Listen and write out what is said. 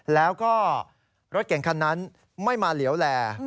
แล้วก็รถเก่งคันนั้นไม่มาเหลวแล